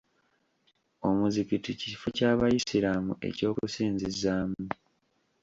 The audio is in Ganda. Omuzikiti kifo ky'abayisiraamu eky'okusinzizzaamu.